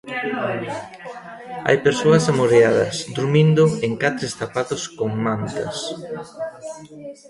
Hai persoas amoreadas, durmindo en catres tapados con mantas.